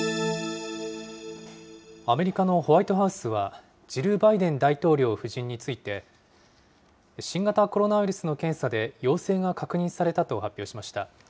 アメリカのホワイトハウスは、ジル・バイデン大統領夫人について、新型コロナウイルスの検査で陽性が確認されたと発表しました。